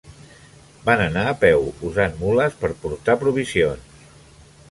Van anar a peu usant mules per portar provisions.